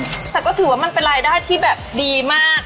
แต่ก็ถือว่ามันเป็นรายได้ที่แบบดีมาก